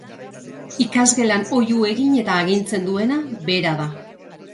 Ikasgelan oihu egin eta agintzen duena bera da.